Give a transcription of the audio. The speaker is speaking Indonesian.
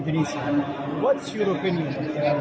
apa pendapat anda tentang itu